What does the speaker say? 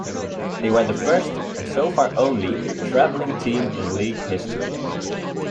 They were the first, and so far only, "traveling team" in league history.